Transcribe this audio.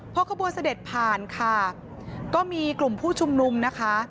พอขบวนเสด็จผ่านค่ะก็มีกลุ่มผู้ชุมนุมนะคะ